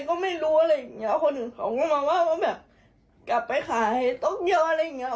คนอื่นเค้าก็มาว่าแบบกลับไปขายโตเกียวอะไรอย่างเงี้ย